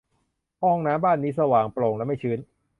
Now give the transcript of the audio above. ห้องน้ำบ้านนี้สว่าง โปร่ง และไม่ชื้น